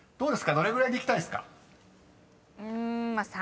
どれぐらいでいきたいですか？］